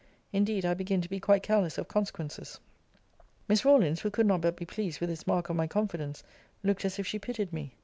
Indeed I begin to be quite careless of consequences. Miss Rawlins, who could not but be pleased with this mark of my confidence, looked as if she pitied me.